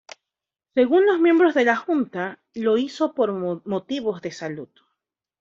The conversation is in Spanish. Según los miembros de la junta, lo hizo por motivos de salud.